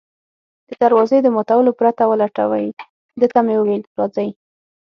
د دروازې د ماتولو پرته ولټوي، ده ته مې وویل: راځئ.